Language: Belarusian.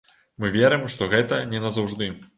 Мы верым, што гэта не назаўжды.